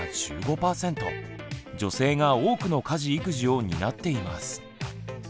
女性が多くの家事育児を担っています。